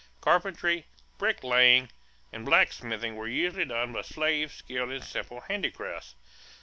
Carpentry, bricklaying, and blacksmithing were usually done by slaves skilled in simple handicrafts.